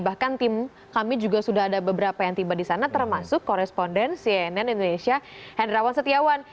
bahkan tim kami juga sudah ada beberapa yang tiba di sana termasuk koresponden cnn indonesia hendrawan setiawan